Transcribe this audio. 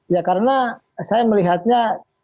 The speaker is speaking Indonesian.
ya karena saya melihatnya